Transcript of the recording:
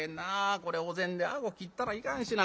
これお膳で顎切ったらいかんしな。